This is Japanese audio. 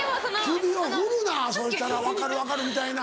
首を振るなそしたら「分かる分かる」みたいな。